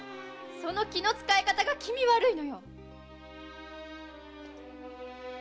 その気の遣い方が気味悪いのよ！